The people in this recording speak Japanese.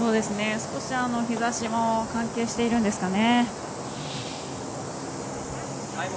少し、日ざしも関係しているんですかね。